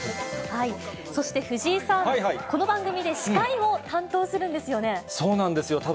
そして藤井さん、この番組で司会を担当するんですよね？